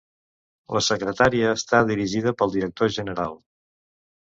La Secretaria està dirigida pel director general.